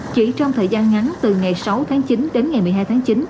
chỉ trong thời gian ngắn từ ngày sáu tháng chín đến ngày một mươi hai tháng chín